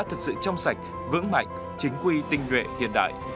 thật sự trong sạch vững mạnh chính quy tinh nguyện hiện đại